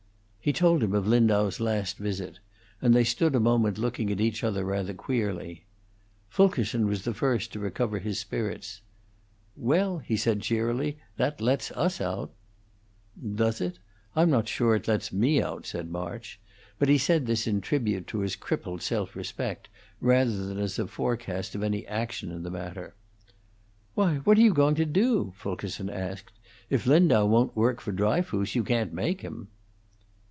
He told him of Lindau's last visit, and they stood a moment looking at each other rather queerly. Fulkerson was the first to recover his spirits. "Well," he said, cheerily, "that let's us out." "Does it? I'm not sure it lets me out," said March; but he said this in tribute to his crippled self respect rather than as a forecast of any action in the matter. "Why, what are you going to do?" Fulkerson asked. "If Lindau won't work for Dryfoos, you can't make him."